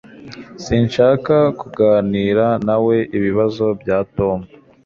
Sinshaka kuganira nawe ibibazo bya Tom